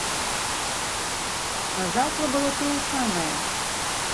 Назаўтра было тое самае.